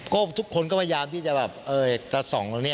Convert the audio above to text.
ก็ทุกคนก็พยายามที่จะแบบเอ่ยแต่๒ตรงเนี่ย